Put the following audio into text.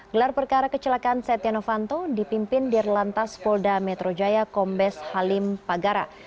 gelar perkara kecelakaan setia novanto dipimpin dirlantas polda metro jaya kombes halim pagara